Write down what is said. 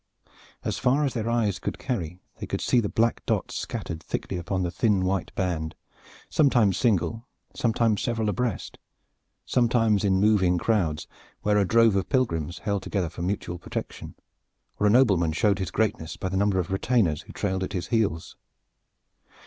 As far as their eyes could carry they could see the black dots scattered thickly upon the thin white band, sometimes single, sometimes several abreast, sometimes in moving crowds, where a drove of pilgrims held together for mutual protection, or a nobleman showed his greatness by the number of retainers who trailed at his heels.